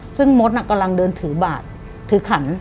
ซึ่งมดกำลังเดินถือบาทถือขัน